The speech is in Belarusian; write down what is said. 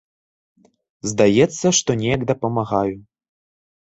Здаецца, што неяк дапамагаю.